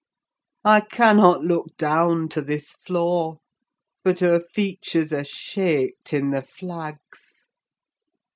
I cannot look down to this floor, but her features are shaped in the flags!